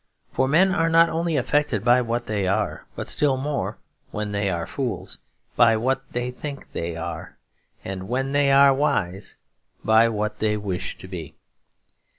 For men are not only affected by what they are; but still more, when they are fools, by what they think they are; and when they are wise, by what they wish to be.